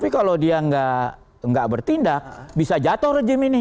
tapi kalau dia nggak bertindak bisa jatuh rejim ini